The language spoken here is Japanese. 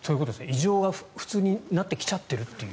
異常が普通になってきちゃっているという。